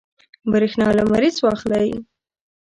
برېښنا لمریز واخلئ.